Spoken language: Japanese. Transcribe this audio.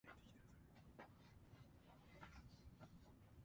我々はその山脈で土着のガイドを雇った。